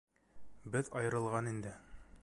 Беҙ айырылған инде!